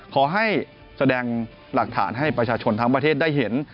แสดงหลักฐานให้ประชาชนทั้งประเทศได้เห็น